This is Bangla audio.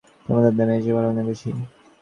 তোমার দাদার মেজাজ ভালো নেই বুঝি?